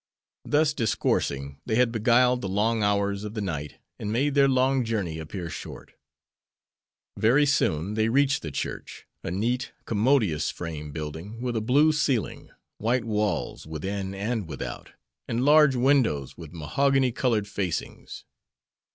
Thus discoursing they had beguiled the long hours of the night and made their long journey appear short. Very soon they reached the church, a neat, commodious, frame building, with a blue ceiling, white walls within and without, and large windows with mahogany colored facings.